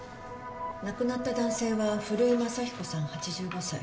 亡くなった男性は古井正彦さん８５歳。